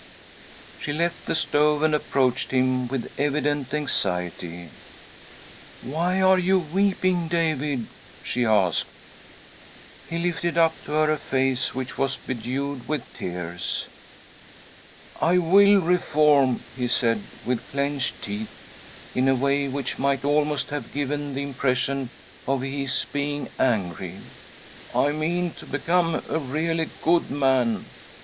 She left the stove and approached him with evident anxiety. " Why are you weeping, David ?" she asked. He lifted up to her a face which was bedewed with tears. "I will reform," he said with clenched teeth, in • a way which might almost have given the impression of his being angry. "I mean to become a really good man.